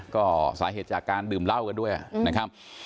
ก็สาเหตุจากการดื่มเหล้ากันด้วยนะครับ